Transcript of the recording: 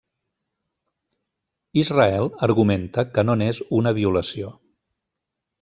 Israel argumenta que no n'és una violació.